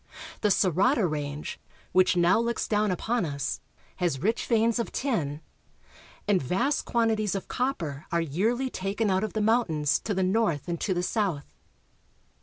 The Sorata range, which now looks down upon us, has rich veins of tin, and vast quantities of copper are yearly taken out of the mountains to the north and to the south.